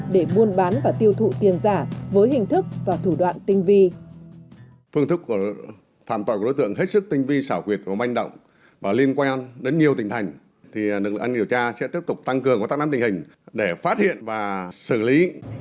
để buôn bán và tiêu thụ tiền giả với hình thức và thủ đoạn tinh vi